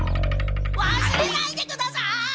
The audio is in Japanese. わすれないでください！